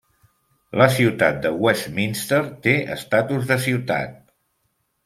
La Ciutat de Westminster té estatus de ciutat.